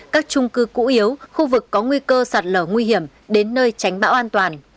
các trung cư cũ yếu khu vực có nguy cơ sạt lở nguy hiểm đến nơi tránh bão an toàn